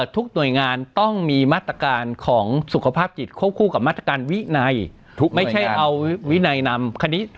ทุกหน่วยงานต้องมีมาตรการของสุขภาพจิตควบคู่กับมาตรการวินัยไม่ใช่เอาวินัยนำ